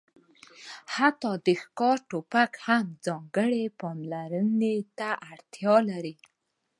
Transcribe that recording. حتی د ښکار ټوپک هم ځانګړې پاملرنې ته اړتیا لري